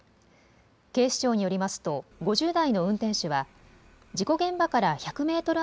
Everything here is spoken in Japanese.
警視庁によりますと５０代の運転手は事故現場から１００メートル